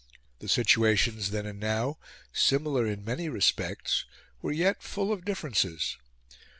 The situations then and now, similar in many respects, were yet full of differences.